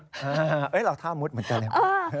เฮ่ยเราท่ามุดเหมือนกัน